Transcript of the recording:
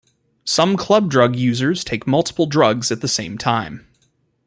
Some club drug users take multiple drugs at the same time.